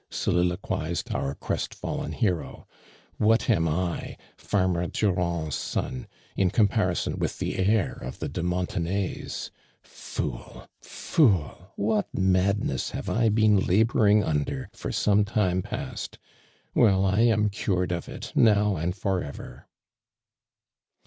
aoliloquized our ci pstfallen hero. '* What am I, farmer Durand's son, in com jMiiispn with the heir of the de Montenays? Fool ! fool I what madness have I been labjoring uuder for some time paet ! Well, 1 t,\m cured of it now and for ever